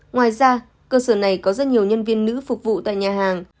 ngoài ra cơ sở này có rất nhiều nhân viên nữ phục vụ tại nhà hàng